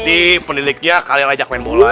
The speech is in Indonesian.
nanti pendidiknya kalian ajak main bola